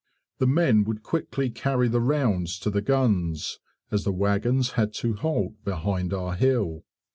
The men would quickly carry the rounds to the guns, as the wagons had to halt behind our hill.